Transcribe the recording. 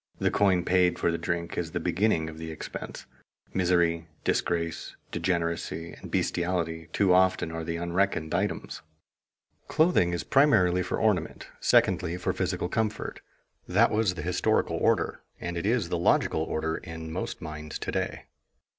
The coin paid for the drink is the beginning of the expense; misery, disgrace, degeneracy, and bestialty too often are the unreckoned items. [Sidenote: Of clothing] Clothing is primarily for ornament, secondly for physical comfort. That was the historical order, and it is the logical order in most minds to day.